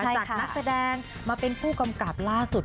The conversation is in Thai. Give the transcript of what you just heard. จากนักแสดงมาเป็นผู้กำกับล่าสุด